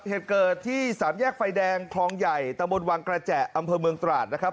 เหตุเกิดที่สามแยกไฟแดงคลองใหญ่ตะบนวังกระแจอำเภอเมืองตราดนะครับ